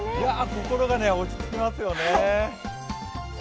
心が落ち着きますよね。